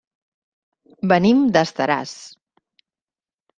Venim d'Estaràs.